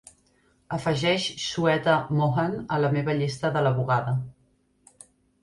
Afegeix shweta mohan a la meva llista de la bugada